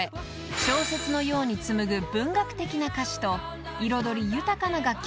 ［小説のように紡ぐ文学的な歌詞と彩り豊かな楽曲の数々］